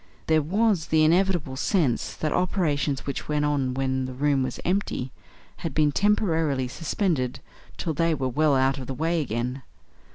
There was the inevitable sense that operations which went on when the room was empty had been temporarily suspended till they were well out of the way again.